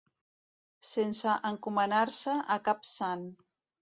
Sense encomanar-se a cap sant.